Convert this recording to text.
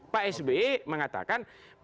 pak s b mengatakan